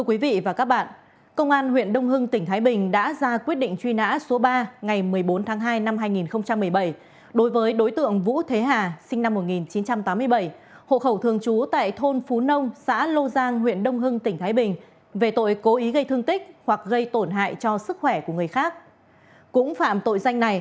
quý vị và các bạn thân mến chương trình an ninh toàn cảnh sẽ đứng tiếp tục